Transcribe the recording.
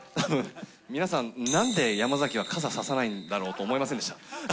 皆さんなんで、山崎は傘差さないんだろうと思いませんでした？